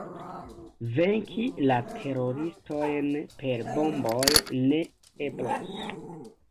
Venki la teroristojn per bomboj ne eblos.